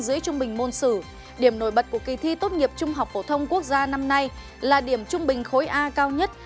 giữa trung bình môn sử điểm nổi bật của kỳ thi tốt nghiệp trung học phổ thông quốc gia năm nay là điểm trung bình khối a cao nhất